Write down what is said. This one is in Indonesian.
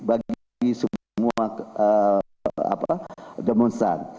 bagi semua demonstan